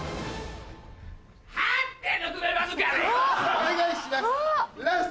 お願いします。